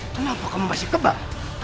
kenapa kamu masih kebal